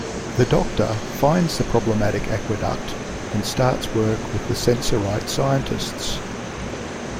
The Doctor finds the problematic aqueduct and starts work with the Sensorite scientists.